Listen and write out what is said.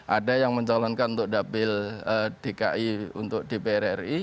ada yang mencalonkan untuk dapil dki untuk dpr ri